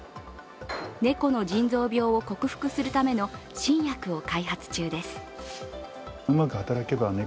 猫の腎臓病を克服するための新薬を開発中です。